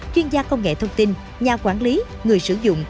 chuyên gia công nghệ thông tin nhà quản lý người sử dụng